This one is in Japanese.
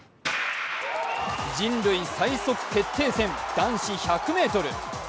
人類最速決定戦、男子１００ｍ。